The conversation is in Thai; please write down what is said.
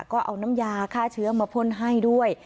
ก็เอาน้ำยาฆ่าเชื้อมาพ่นให้ด้วย